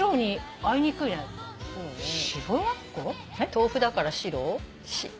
豆腐だから白？